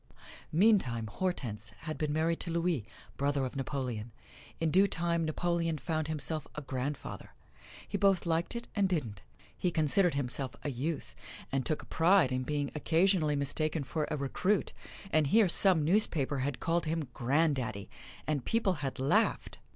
Meantime Hortense had been married to Louis, brother of Napoleon. In due time Napoleon found himself a grandfather. He both liked it and didn't. He considered himself a youth and took a pride in being occasionally mistaken for a recruit, and here some newspaper had called him "granddaddy," and people had laughed!